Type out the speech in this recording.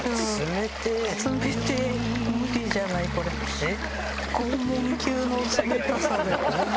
えっ？